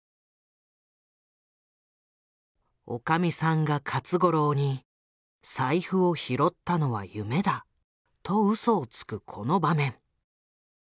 おかみさんが勝五郎に「財布を拾ったのは夢だ」とうそをつくこの場面。